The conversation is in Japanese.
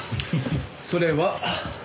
それは？